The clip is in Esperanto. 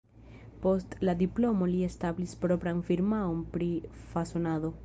Post la diplomo li establis propran firmaon pri fasonado.